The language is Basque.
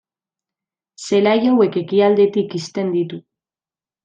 Zelai hauek ekialdetik ixten ditu.